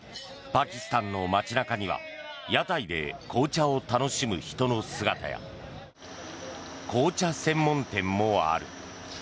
パキスタンの街中には屋台で紅茶を楽しむ人の姿や紅茶専門店もある。